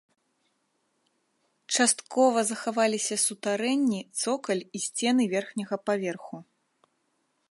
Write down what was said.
Часткова захаваліся сутарэнні, цокаль і сцены верхняга паверху.